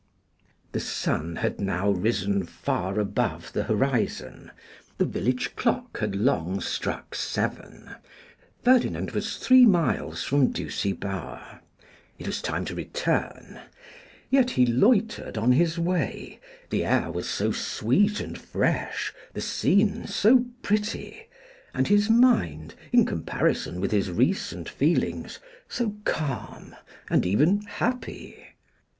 The sun had now risen far above the horizon; the village clock had long struck seven; Ferdinand was three miles from Ducie Bower. It was time to return, yet he loitered on his way, the air was so sweet and fresh, the scene so pretty, and his mind, in comparison with his recent feelings, so calm, and even happy.